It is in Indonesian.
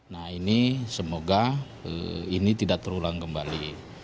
nah ini semoga ini tidak terulang kembali